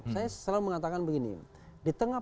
saya selalu mengatakan begini di tengah